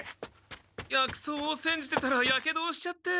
薬草をせんじてたらやけどをしちゃって。